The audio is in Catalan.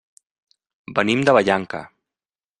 Venim de Vallanca.